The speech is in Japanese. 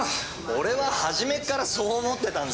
俺は初めっからそう思ってたんですよ。